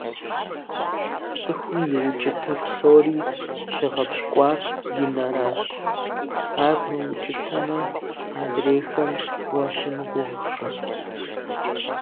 ЦӀыхум и укӀытэ псори щыгъэпщкӀуар и нэращ, ар мыукӀытэмэ, адрейхэм уащымыгугъыххэ.